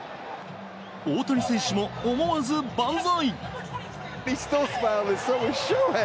大谷選手も思わず万歳。